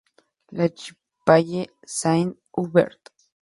La Chapelle-Saint-Aubert